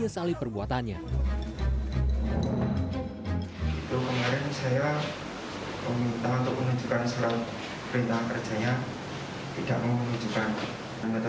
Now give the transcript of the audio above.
tidak menunjukkan surat tugas ketika diminta